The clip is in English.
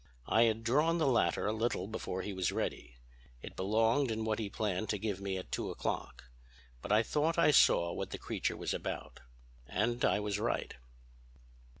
I had drawn the latter a little before he was ready. It belonged in what he planned to give me at two o'clock. But I thought I saw what the creature was about. And I was right."